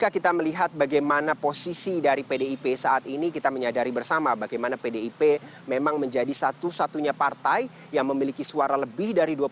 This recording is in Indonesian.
ketua umum pdip puan maharani